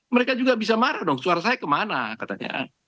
mereka juga bisa marah dong suara saya kemana katanya